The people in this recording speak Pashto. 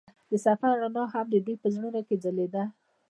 د سفر رڼا هم د دوی په زړونو کې ځلېده.